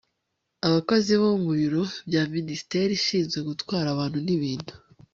abakozi bo mu biro bya minisiteri ishinzwe gutwara abantu n'ibintu